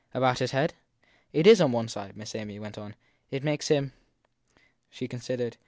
About his head? It is on one side, Miss Amy went on. It makes him she considered.